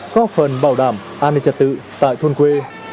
góp phần bảo đảm an ninh trật tự tại thôn quê